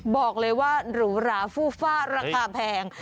บอกเลยว่าหรูหราฟูฟ่าราคาแพง